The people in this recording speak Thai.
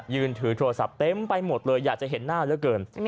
ยืนถือโทรศัพท์เต็มไปหมดเลยอยากจะเห็นหน้าเหลือเกิน